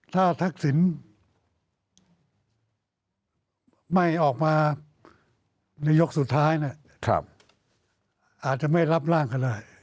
ถ้าทักษิณไม่ออกมาในยกสุดท้ายอาจจะไม่รับร่างก็ได้